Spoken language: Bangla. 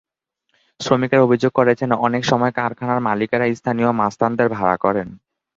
শ্রমিকেরা অভিযোগ করেছেন, অনেক সময় কারখানার মালিকেরা স্থানীয় মাস্তানদের ভাড়া করেন।